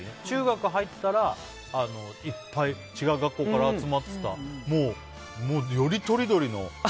中学校に入ったら違う学校から集まってるからもう、よりとりどりの。